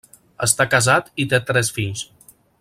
Està casat i té tres fills.